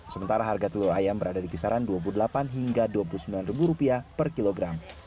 sementara harga telur ayam berada di kisaran dua puluh delapan hingga dua puluh sembilan ribu rupiah per kilogram